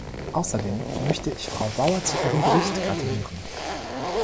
Außerdem möchte ich Frau Bauer zu ihrem Bericht gratulieren.